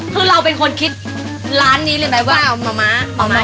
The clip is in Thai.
คือเราเป็นคนคิดร้านนี้เลยไหมว่ามะม้ามะ